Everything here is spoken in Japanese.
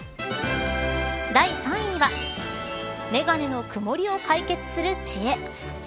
第３位は眼鏡のくもりを解決する知恵。